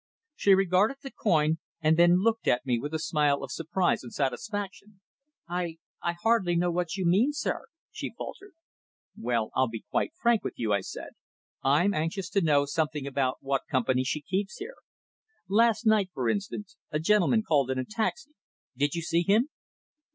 She regarded the coin, and then looked at me with a smile of surprise and satisfaction. "I I hardly know what you mean, sir," she faltered. "Well, I'll be quite frank with you," I said. "I'm anxious to know something about what company she keeps here. Last night, for instance, a gentleman called in a taxi. Did you see him?"